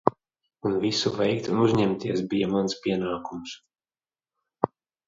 Un visu veikt un uzņemties bija mans pienākums.